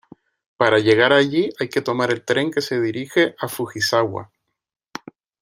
Para llegar allí hay que tomar el tren que se dirige a Fujisawa.